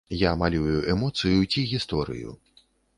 Я малюю эмоцыю ці гісторыю.